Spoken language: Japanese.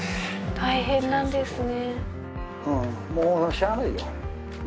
大変なんですね。